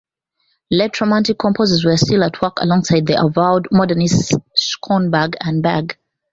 Late Romantic composers were still at work alongside the avowed modernists Schoenberg and Berg.